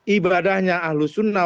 ibadahnya ahlus sunnah